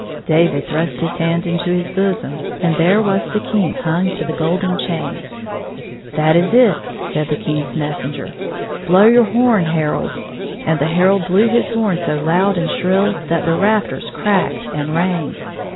David thrust his hand into his bosom, and there was the key hung to the golden chain. " That is it," said the King's messenger. " Blow your horn, herald !" And the herald blew his horn so loud and shrill that the rafters cracked and rang.